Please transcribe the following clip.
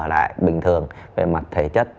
lại bình thường về mặt thể chất